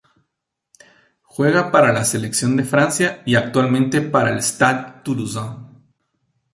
Juega para la selección de Francia y actualmente para el Stade Toulousain.